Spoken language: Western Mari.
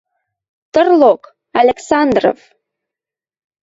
– Тырлок, Александров!